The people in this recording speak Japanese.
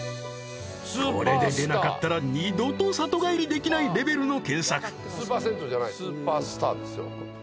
これで出なかったら二度と里帰りできないレベルの検索スーパー銭湯じゃないスーパースターですよ